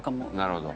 なるほど。